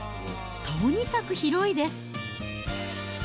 とにかく広いです。